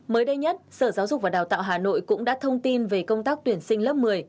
mới đây nhất sở giáo dục và đào tạo hà nội cũng đã thông tin về công tác tuyển sinh lớp một mươi